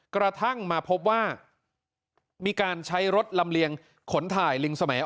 กระทั่งมาพบว่ามีการใช้รถลำเลียงขนถ่ายลิงสมัย